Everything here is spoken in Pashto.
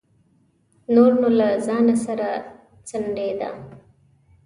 نور نو له ځانه سره سڼېده.